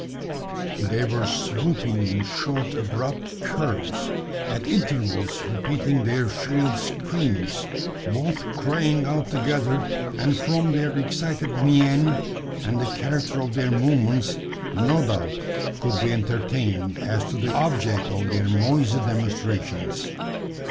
They were swooping in short, abrupt curves, at intervals repeating their shrill screams, both crying out together, and from their excited mien, and the character of their movements, no doubt could be entertained as to the object of their noisy demonstrations.